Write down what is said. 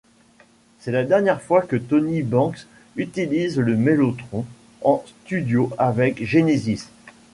C'est la dernière fois que Tony Banks utilise le mellotron en studio avec Genesis.